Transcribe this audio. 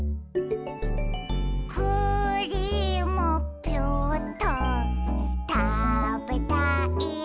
「クリームピューっとたべたいな」